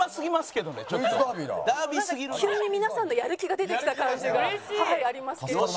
急に皆さんのやる気が出てきた感じがありますけれども。